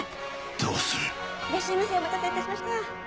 どうするいらっしゃいませお待たせいたしました。